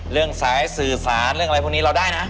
เรื่องสายสื่อสารเรื่องอะไรพวกนี้เราได้นะ